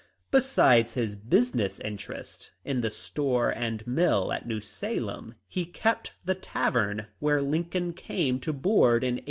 Besides his business interests in the store and mill at New Salem, he kept the tavern where Lincoln came to board in 1833.